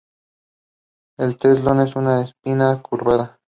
El telson era una espina curvada.